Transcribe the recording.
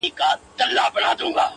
د انتظار دې پر پدره سي لعنت شېرينې”